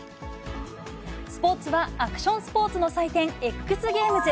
スポーツはアクションスポーツの祭典、ＸＧａｍｅｓ。